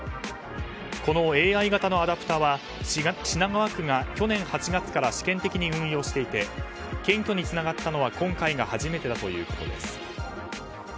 このＡＩ型のアダプタは品川区が去年８月から試験的に運用していて検挙につながったのは今回が初めてだということです。